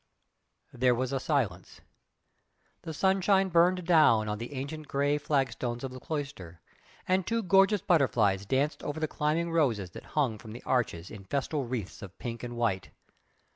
There was a silence. The sunshine burned down on the ancient grey flagstones of the cloister, and two gorgeous butterflies danced over the climbing roses that hung from the arches in festal wreaths of pink and white.